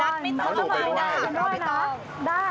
นัดมิตรเข้ามาได้นะ